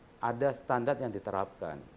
dan setidaknya ada standar yang diterapkan